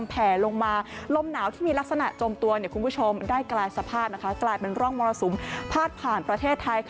แผลลงมาลมหนาวที่มีลักษณะจมตัวคุณผู้ชมได้กลายสภาพกลายเป็นร่องมรสุมพาดผ่านประเทศไทย